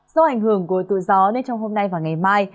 do ảnh hưởng của tự gió nên trong hôm nay và ngày mai